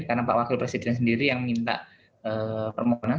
karena pak wakil presiden sendiri yang minta permohonan